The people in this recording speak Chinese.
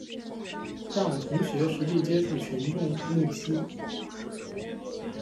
让同学实地接触群众募资